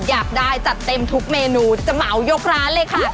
อยากได้จัดเต็มทุกเมนูจะเหมายกร้านเลยค่ะ